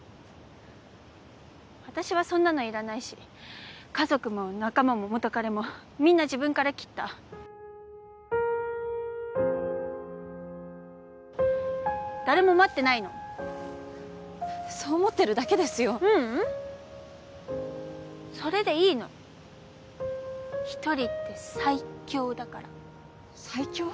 私はそんなのいらないし家族も仲間も元彼もみんな自分から切った誰も待ってないのそう思ってるだけですよううんそれでいいの一人って最強だから最強？